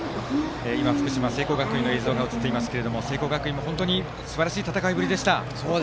今、福島・聖光学院の映像が映っていますが聖光学院も本当にすばらしい戦いぶりでした。